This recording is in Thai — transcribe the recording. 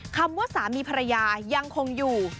คำว่าสามีภรรยายังคงอยู่